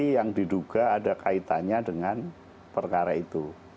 yang diduga ada kaitannya dengan perkara itu